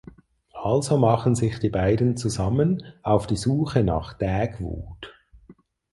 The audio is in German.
Also machen sich die beiden zusammen auf die Suche nach Dagwood.